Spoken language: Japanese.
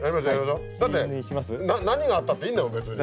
だって何があったっていいんだもん別に。